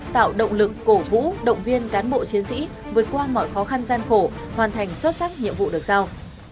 tạo động lực cổ vũ động viên cán bộ chiến sĩ vượt qua mọi khó khăn gian khổ hoàn thành xuất sắc nhiệm vụ được giao